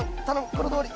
このとおり！